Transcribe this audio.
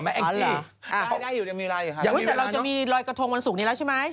แองจี้แต่เราจะมีรอยกระทงวันศุกร์นี้แล้วใช่ไหม